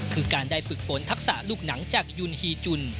คือการได้ฝึกฝนทักษะลูกหนังจากยุนฮีจุน